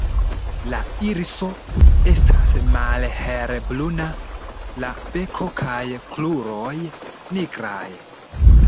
La iriso estas malhelbruna, la beko kaj kruroj nigraj.